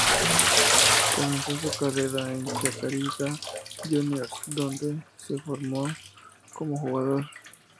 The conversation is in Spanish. Comenzó su carrera en Chacarita Juniors, donde se formó como jugador.